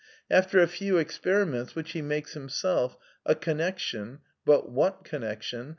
After a few experiments, which he makes himself, a connection (but what connection